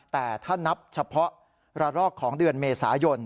แต่ถ้านับเฉพาะระลอกของเดือนเมษายน